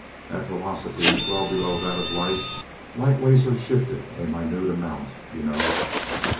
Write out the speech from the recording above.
At velocities well below that of light, light waves are shifted a minute amount, you know.